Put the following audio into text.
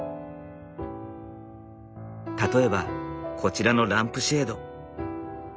例えばこちらのランプシェード。